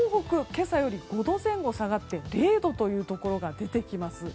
今朝より５度前後下がって０度というところが出てきます。